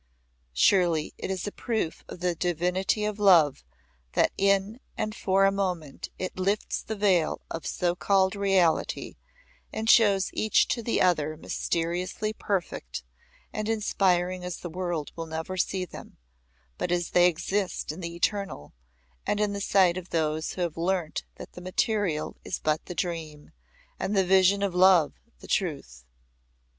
Surely it is a proof of the divinity of love that in and for a moment it lifts the veil of so called reality and shows each to the other mysteriously perfect and inspiring as the world will never see them, but as they exist in the Eternal, and in the sight of those who have learnt that the material is but the dream, and the vision of love the truth.